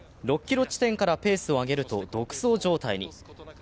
６ｋｍ地点からペースを上げると独走状態に。